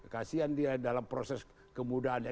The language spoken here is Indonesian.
kasian dia dalam proses kemudahannya